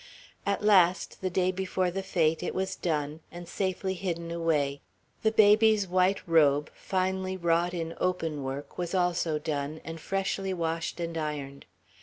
At last, the day before the fete, it was done, and safely hidden away. The baby's white robe, finely wrought in open work, was also done, and freshly washed and ironed.